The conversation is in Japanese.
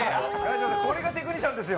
これがテクニシャンですよ。